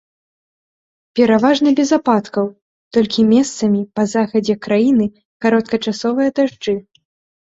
Пераважна без ападкаў, толькі месцамі па захадзе краіны кароткачасовыя дажджы.